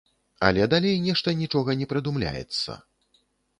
Але далей нешта нічога не прыдумляецца.